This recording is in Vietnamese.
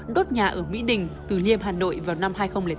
đốt nhà ở mỹ đình từ liêm hà nội vào năm hai nghìn tám